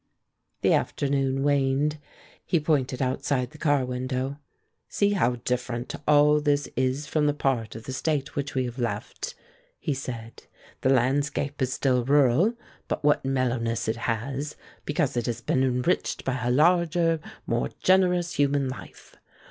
The afternoon waned. He pointed outside the car window. "See how different all this is from the part of the State which we have left," he said. "The landscape is still rural, but what mellowness it has; because it has been enriched by a larger, more generous human life.